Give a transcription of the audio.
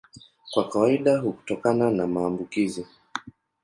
Kwa kawaida hutokana na maambukizi.